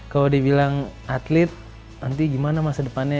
kalau dibilang atlet nanti gimana masa depannya